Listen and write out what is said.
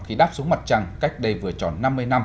khi đáp xuống mặt trăng cách đây vừa tròn năm mươi năm